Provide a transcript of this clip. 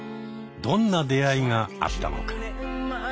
どんな出会いがあったのか。